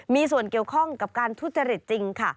มีส่วนเกี่ยวข้องกับการทุจริตจริงค่ะ